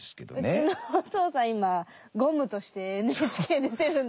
「うちのお父さん今ゴムとしてＮＨＫ出てるんだ」